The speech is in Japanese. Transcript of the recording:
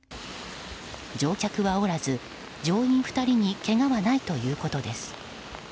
乗客はおらず乗員２人にけがはないということです。